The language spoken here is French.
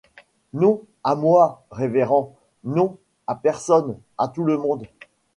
Non, à moi, révérend! — Non ! à personne ! à tout le monde !